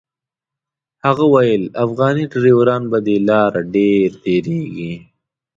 هغه ویل افغاني ډریوران په دې لاره ډېر تېرېږي.